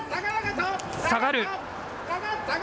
下がる。